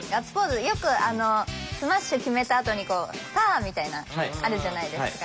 よくあのスマッシュ決めたあとに「サッ！」みたいなあるじゃないですか。